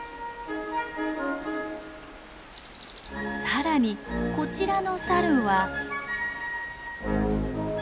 さらにこちらのサルは。